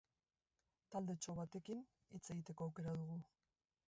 Taldetxo batekin hitz egiteko aukera dugu.